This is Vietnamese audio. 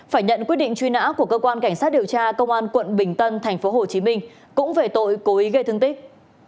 phải nhận quyết định truy nã của cơ quan cảnh sát điều tra công an quận bình tân thành phố hồ chí minh cũng về tội cố ý gây thương tích